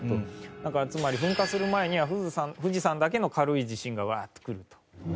だからつまり噴火する前には富士山だけの軽い地震がうわっとくると。